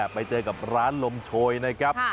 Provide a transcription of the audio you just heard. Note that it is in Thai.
ไปเจอกับร้านลมโชยนะครับ